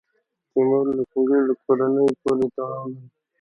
تیمور د چنګیز له کورنۍ پورې تړاو لري.